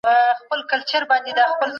د سرچینو ضایع کېدل د پرمختګ خنډ ګرځي.